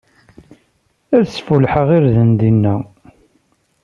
Ad sfullḥeɣ irden dinna.